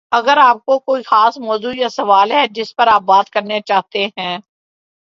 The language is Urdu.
اگر آپ کو کوئی خاص موضوع یا سوال ہے جس پر آپ بات کرنا چاہتے ہیں